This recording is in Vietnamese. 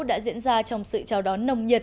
đã diễn ra trong sự chào đón